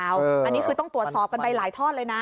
อันนี้คือต้องตรวจสอบกันไปหลายทอดเลยนะ